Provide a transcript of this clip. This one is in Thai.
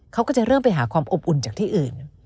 เขาก็จะเริ่มไปหาความอบอุ่นจากที่อื่น